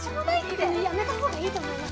でもやめたほうがいいと思います。